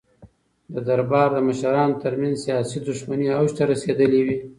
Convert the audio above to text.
د دربار د مشرانو ترمنځ سیاسي دښمنۍ اوج ته رسېدلې وې.